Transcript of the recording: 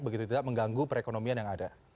begitu tidak mengganggu perekonomian yang ada